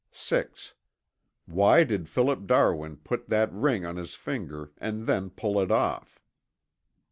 (6) Why did Philip Darwin put that ring on his finger and then pull it off?